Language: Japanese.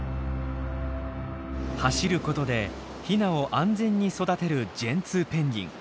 走ることでヒナを安全に育てるジェンツーペンギン。